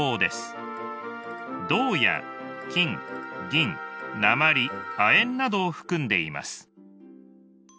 銅や金銀鉛亜鉛などを含んでいます。